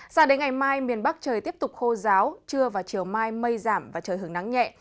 sao đến ngày mai miền bắc trời tiếp tục khô giáo trưa và chiều mai mây giảm và trời hưởng nắng nhẹ